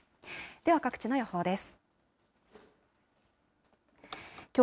では各地の予報です。